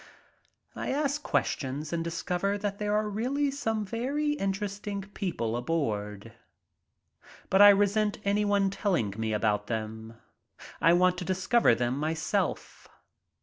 I ask questions and discover that there are really some very interesting people aboard. But I resent anyone telling me about them. I want to discover them myself.